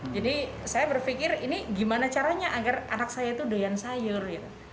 jadi saya berpikir ini gimana caranya agar anak saya doyan sayur